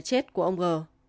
cây chết của ông g